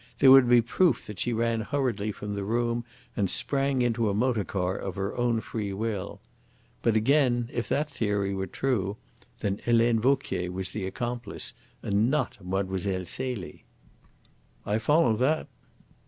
There would be proof that she ran hurriedly from the room and sprang into a motor car of her own free will. But, again, if that theory were true, then Helene Vauquier was the accomplice and not Mlle. Celie." "I follow that."